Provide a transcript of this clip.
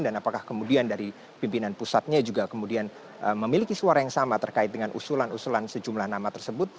dan apakah kemudian dari pimpinan pusatnya juga kemudian memiliki suara yang sama terkait dengan usulan usulan sejumlah nama tersebut